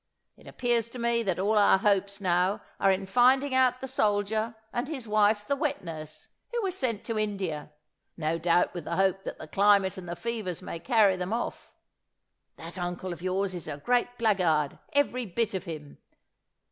It appears to me, that all our hopes now are in finding out the soldier, and his wife the wet nurse, who were sent to India no doubt with the hope that the climate and the fevers may carry them off. That uncle of yours is a great blackguard, every bit of him.